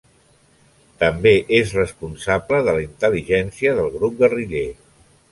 També és responsable de la intel·ligència del grup guerriller.